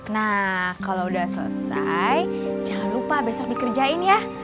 nah kalau udah selesai jangan lupa besok dikerjain ya